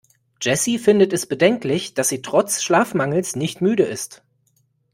Jessy findet es bedenklich, dass sie trotz Schlafmangels nicht müde ist.